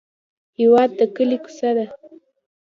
هېواد د کلي کوڅه ده.